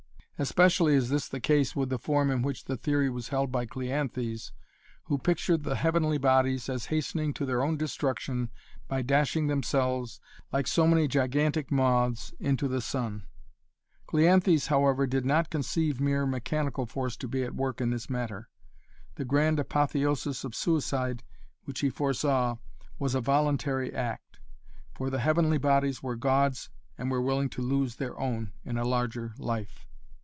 Especially is this the case with the form in which the theory was held by Cleanthes, who pictured the heavenly bodies as hastening to their own destruction by dashing themselves, like so many gigantic moths, into the sun. Cleanthes however did not conceive mere mechanical force to be at work in this matter. The grand apotheosis of suicide which he foresaw was a voluntary act; for the heavenly bodies were Gods and were willing to lose their own in a larger life.